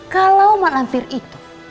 kalau mak lampir itu